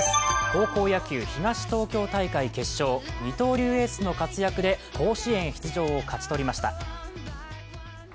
高校野球、東東京大会決勝二刀流エースの活躍で甲子園出場を勝ち取りました。